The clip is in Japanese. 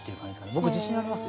僕自信ありますよ。